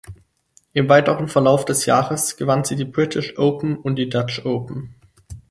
Im weiteren Verlauf des Jahres gewann sie die British Open und die Dutch Open.